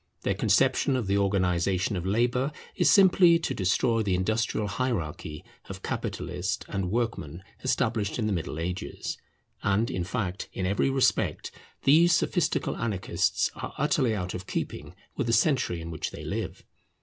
Their conception of the organization of labour is simply to destroy the industrial hierarchy of capitalist and workman established in the Middle Ages; and, in fact, in every respect these sophistical anarchists are utterly out of keeping with the century in which they live.